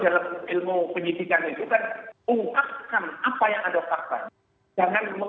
jangan mengungkapkan rencana untuk mencari fakta